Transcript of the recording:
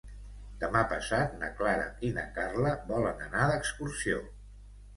Demà passat na Clara i na Carla volen anar d'excursió.